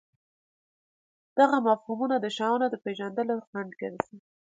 دغه مفهومونه د شیانو د پېژندلو خنډ ګرځي.